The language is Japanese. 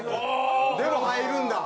でも入るんだ？